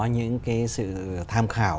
những cái sự tham khảo